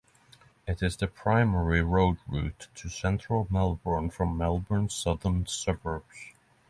It is the primary road route to central Melbourne from Melbourne's southern suburbs.